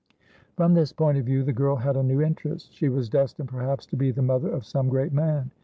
From this point of view, the girl had a new interest. She was destined, perhaps, to be the mother of some great man.